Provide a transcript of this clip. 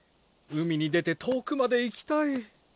海に出て遠くまで行きたい。